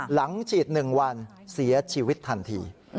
หลังฉีด๑วันเสียชีวิตทันที